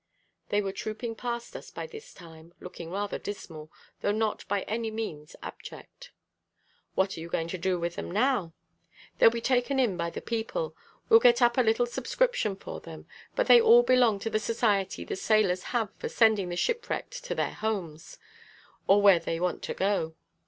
They were trooping past us by this time, looking rather dismal, though not by any means abject. "What are you going to do with them now?" "They'll be taken in by the people. We'll get up a little subscription for them, but they all belong to the society the sailors have for sending the shipwrecked to their homes, or where they want to go."